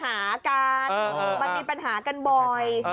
มันมีปัญหากันบ่อย